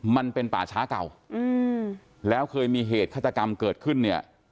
มันเป็นป่าช้าเก่าอืมแล้วเคยมีเหตุฆาตกรรมเกิดขึ้นเนี่ย